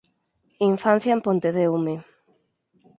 Infancia en Pontedeume